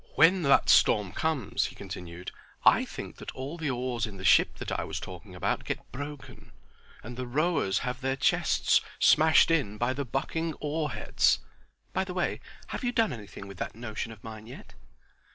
"When that storm comes," he continued, "I think that all the oars in the ship that I was talking about get broken, and the rowers have their chests smashed in by the bucking oar heads. By the way, have you done anything with that notion of mine yet?"